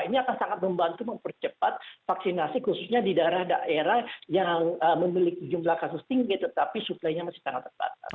ini akan sangat membantu mempercepat vaksinasi khususnya di daerah daerah yang memiliki jumlah kasus tinggi tetapi suplainya masih sangat terbatas